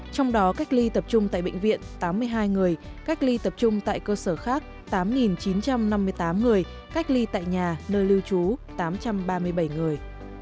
trong đó cách ly tập trung tại bệnh viện tám mươi hai người cách ly tập trung tại cơ sở khác tám chín trăm năm mươi tám người cách ly tại nhà nơi lưu trú tám trăm ba mươi bảy người